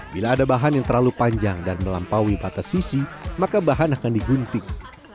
bila ada bahan yang terlalu panjang dan melampaui batas sisi maka bahan akan digunting